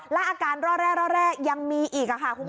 แล้วอาการแร่ยังมีอีกค่ะคุณพี่โฌน